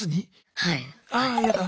はい。